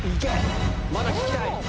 まだ聴きたい。